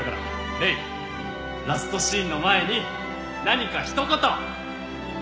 「礼ラストシーンの前に何かひと言！」